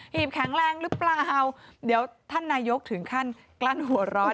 ีบแข็งแรงหรือเปล่าเดี๋ยวท่านนายกถึงขั้นกลั้นหัวร้อน